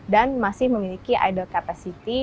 dan masih memiliki idle capacity